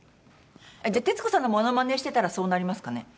じゃあ徹子さんのモノマネしてたらそうなりますかね？